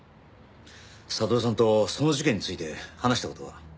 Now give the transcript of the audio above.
悟さんとその事件について話した事は？